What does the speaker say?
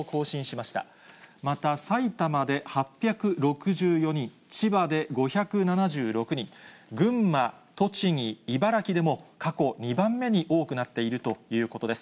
また埼玉で８６４人、千葉で５７６人、群馬、栃木、茨城でも過去２番目に多くなっているということです。